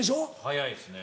早いですね。